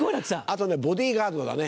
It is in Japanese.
あとボディーガードだね。